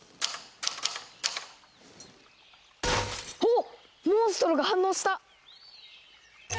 おっモンストロが反応した！